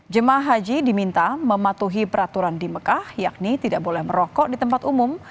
jemaah haji diminta mematuhi peraturan di mekah yakni tidak boleh merokok di tempat umum